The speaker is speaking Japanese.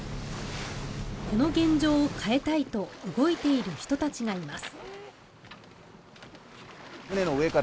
この現状を変えたいと動いている人たちがいます。